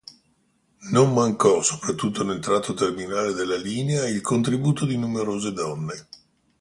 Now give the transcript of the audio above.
Non mancò, soprattutto nel tratto terminale della linea, il contributo di numerose donne.